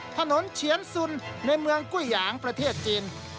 เฉียนสุนในเมืองกุ้ยหยางประเทศจีน